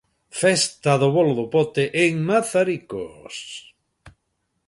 Festa do bolo do pote, en Mazaricos.